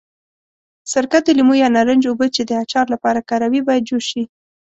سرکه، د لیمو یا نارنج اوبه چې د اچار لپاره کاروي باید جوش شي.